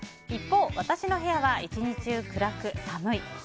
一方、私の部屋は１日中暗く、寒い。